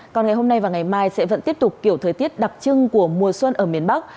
còn ngày hôm nay và ngày mai sẽ vẫn tiếp tục kiểu thời tiết đặc trưng của mùa xuân ở miền bắc